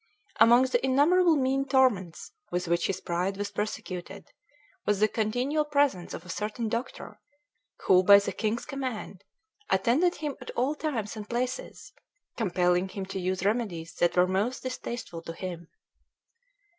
Among the innumerable mean torments with which his pride was persecuted was the continual presence of a certain doctor, who, by the king's command, attended him at all times and places, compelling him to use remedies that were most distasteful to him.